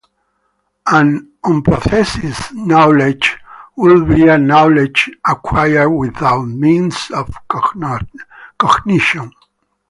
An "unprocessed" knowledge would be a knowledge acquired without means of cognition.